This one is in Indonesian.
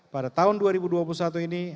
pada tahun dua ribu dua puluh satu ini